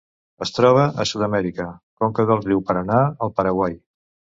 Es troba a Sud-amèrica: conca del riu Paranà al Paraguai.